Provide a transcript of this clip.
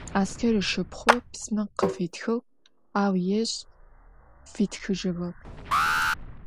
Asker ışşıpxhu pisma khıfitxığ, au yêj fitxıjığep.